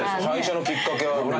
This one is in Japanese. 最初のきっかけは。